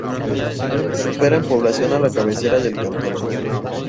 Supera en población a la cabecera del cantón.